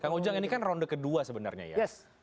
kang ujang ini kan ronde kedua sebenarnya ya